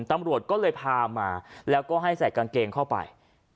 ตำรวจก็เลยพามาแล้วก็ให้ใส่กางเกงเข้าไป